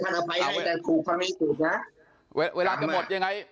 เทวะทัศนภัยแต่สูงความนิยมสูงเวลาจะหมดยังไง